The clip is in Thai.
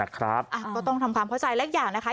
ก็ต้องทำความเข้าใจเล็กอย่างนะคะ